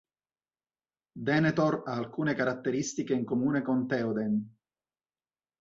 Denethor ha alcune caratteristiche in comune con Théoden.